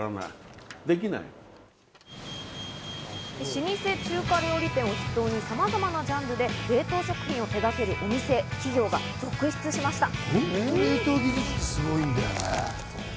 老舗中華料理店を筆頭にさまざまなジャンルで冷凍食品を手がけるお店、企業が続出しました。